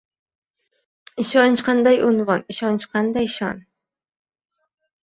Ishonch qanday unvon, Ishonch qanday shon